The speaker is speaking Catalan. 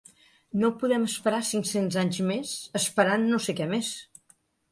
No podem esperar cinc-cents anys més esperant no sé què més.